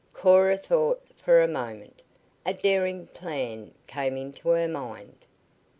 Cora thought for a moment. A daring plan came into her mind.